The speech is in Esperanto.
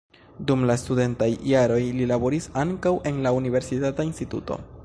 Dum la studentaj jaroj li laboris ankaŭ en la universitata instituto.